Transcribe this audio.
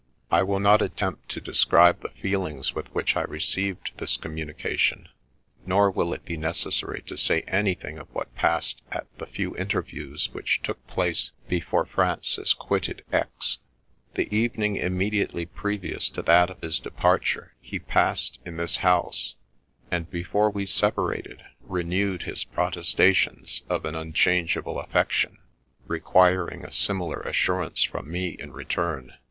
'" I will not attempt to describe the feelings with which I received this communication, nor will it be necessary to say anything of what passed at the few interviews which took place before Francis quitted X . The evening immediately pre vious to that of his departure he passed in this house, and, before we separated, renewed his protestations of an unchangeable affection, requiring a similar assurance from me in return.